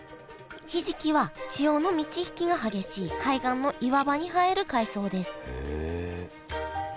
ひじきは潮の満ち引きが激しい海岸の岩場に生える海藻ですへえ。